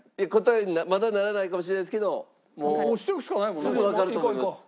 まだならないかもしれないですけどもうすぐわかると思います。